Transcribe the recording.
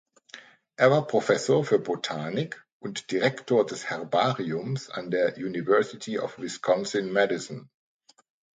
Er war Professor für Botanik und Direktor des Herbariums an der University of Wisconsin–Madison.